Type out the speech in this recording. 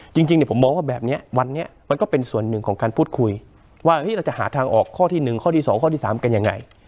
จริงผมมองว่าแบบนี้วันนี้มันก็เป็นส่วนหนึ่งของการพูดคุยว่าเราจะหาทางออกข้อที่๑ข้อที่๒ข้อที่๓กันยังไง